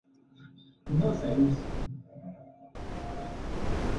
Las hojas están enfrentadas y son lobuladas.